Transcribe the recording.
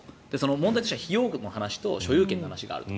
問題的には費用面の話と所有権の話があると。